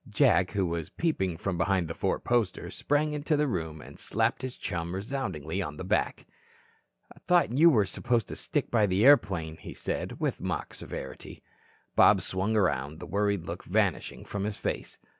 Jack, who was peeping from behind the four poster, sprang into the room, and slapped his chum resoundingly on the back. "Thought you were to stick by the airplane," he said, with mock severity. Bob swung around, the worried look vanishing from his face.